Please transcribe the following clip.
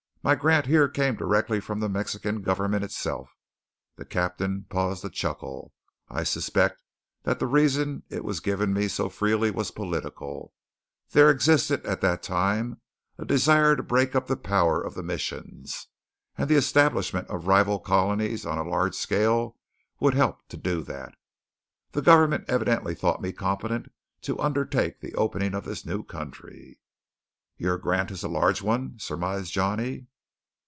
My grant here came directly from the Mexican government itself." The Captain paused to chuckle, "I suspect that the reason it was given me so freely was political there existed at that time a desire to break up the power of the Missions; and the establishment of rival colonies on a large scale would help to do that. The government evidently thought me competent to undertake the opening of this new country." "Your grant is a large one?" surmised Johnny.